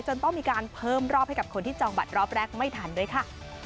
ต้องมีการเพิ่มรอบให้กับคนที่จองบัตรรอบแรกไม่ทันด้วยค่ะ